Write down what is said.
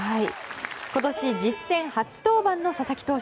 今年実戦初登板の佐々木投手。